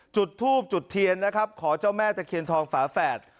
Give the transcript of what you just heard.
จุดทูบจุดเทียนนะครับขอเจ้าแม่ตะเคียนทองฝาแฝด